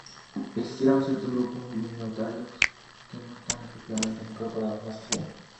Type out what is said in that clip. Existieron ciertos grupos minoritarios que no están efectivamente incorporados en la sociedad.